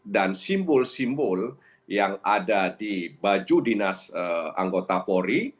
dan simbol simbol yang ada di baju dinas anggota polri